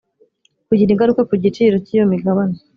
Kugira ingaruka ku giciro cy iyo migabane